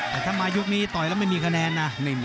แต่ถ้ามายุคนี้ต่อยแล้วไม่มีคะแนนนะ